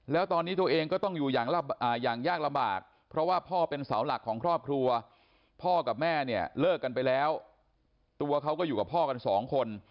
แล้วตอนนี้ตัวเองก็ต้องอยู่อย่างยากลำบากเพราะว่าพ่อเป็นเสาหลักของครอบครัวพ่อกับแม่เนี่ยเลิกกันไปแล้วตัวเขาก็อยู่กับพ่อกันสองคน